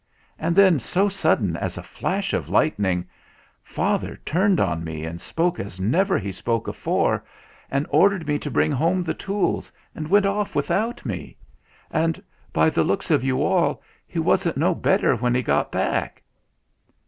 And then, so sudden as a flash of lightning, fa ther turned on me and spoke as never he spoke afore, and ordered me to bring home the tools, and went off without me. And, by the looks of you all, he wasn't no better when he got back."